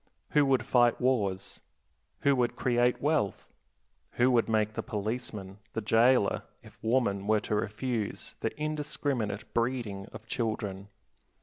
Who would fight wars? Who would create wealth? Who would make the policeman, the jailer, if woman were to refuse the indiscriminate breeding of children?